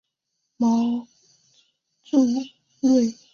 毛柱瑞香为瑞香科瑞香属下的一个变种。